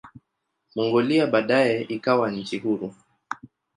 Mongolia baadaye ikawa nchi huru.